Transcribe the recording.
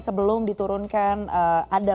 sebelum diturunkan ada